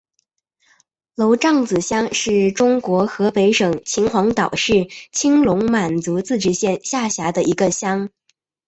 娄杖子乡是中国河北省秦皇岛市青龙满族自治县下辖的一个乡。